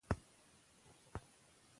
موږ باید د جهالت پر وړاندې په ګډه ودرېږو.